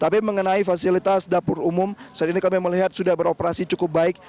tapi mengenai fasilitas dapur umum saat ini kami melihat sudah beroperasi cukup baik